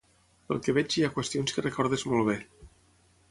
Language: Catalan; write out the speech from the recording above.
Pel que veig hi ha qüestions que recordes molt bé.